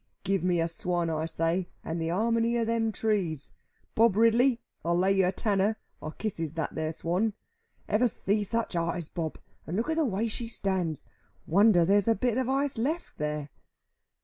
Give me a swan I say, and the harmony of them trees. Bob Ridley, I'll lay you a tanner I kisses that there swan. Ever see such eyes, Bob, and look at the way she stands. Wonder there's a bit of ice left here."